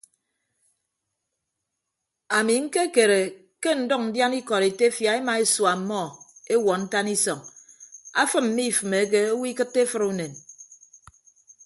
Ami ñkekere ke ndʌñ ndiana ikọd etefia ema esua ọmmọ ewuọ ntan isọñ afịm mmifịmeke owo ikịtte efʌd unen.